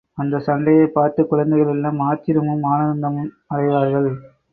அந்தச் சண்டையைப் பார்த்துக் குழந்தைகள் எல்லாம் ஆச்சரியமும் ஆனந்தமும் அடைவார்கள்.